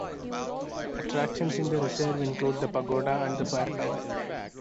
Attractions in the reserve include the Pagoda and the Fire Tower.